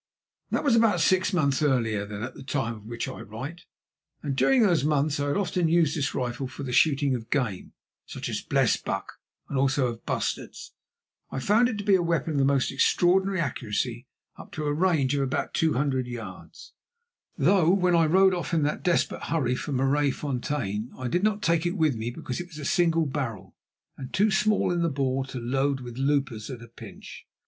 That was about six months earlier than the time of which I write, and during those months I had often used this rifle for the shooting of game, such as blesbuck and also of bustards. I found it to be a weapon of the most extraordinary accuracy up to a range of about two hundred yards, though when I rode off in that desperate hurry for Maraisfontein I did not take it with me because it was a single barrel and too small in the bore to load with loopers at a pinch.